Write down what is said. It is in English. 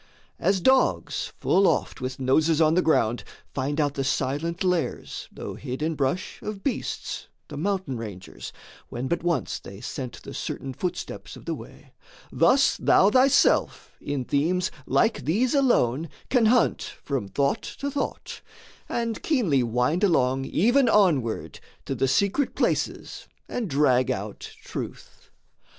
As dogs full oft with noses on the ground, Find out the silent lairs, though hid in brush, Of beasts, the mountain rangers, when but once They scent the certain footsteps of the way, Thus thou thyself in themes like these alone Can hunt from thought to thought, and keenly wind Along even onward to the secret places And drag out truth.